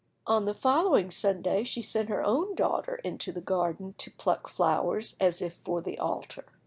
On the following Sunday she sent her own daughter into the garden to pluck flowers as if for the altar.